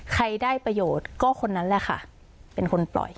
ใครได้ประโยชน์ก็คนนั้นแหละค่ะเป็นคนปล่อย